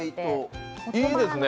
いいですね。